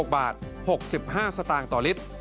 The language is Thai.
๖บาท๖๕สตางค์ต่อลิตร